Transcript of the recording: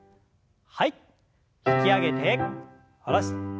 引き上げて下ろして。